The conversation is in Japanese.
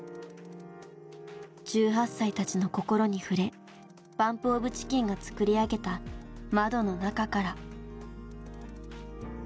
１８歳たちの心に触れＢＵＭＰＯＦＣＨＩＣＫＥＮが作り上げた「窓の中から」。